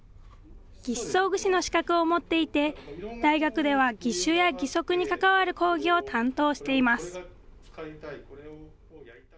義肢装具士の資格を持っていて大学では義手や義足に関わる講義を担当しています。